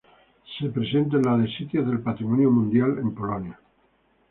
Se presenta en la de sitios del patrimonio mundial en Polonia.